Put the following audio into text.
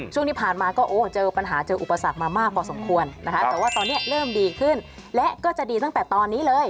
ช่วงที่ผ่านมาก็โอ้เจอปัญหาเจออุปสรรคมามากพอสมควรนะคะแต่ว่าตอนนี้เริ่มดีขึ้นและก็จะดีตั้งแต่ตอนนี้เลย